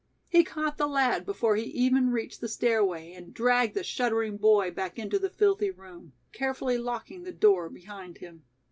He caught the lad before he even reached the stairway and dragged the shuddering boy back into the filthy room, carefully locking the door behind them.